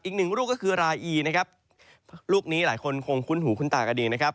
อีกหนึ่งลูกก็คือราอีนะครับลูกนี้หลายคนคงคุ้นหูคุ้นตากันดีนะครับ